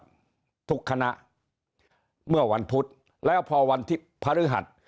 แล้วนะครับทุกคณะเมื่อวันพุธแล้วพอวันที่พฤหัส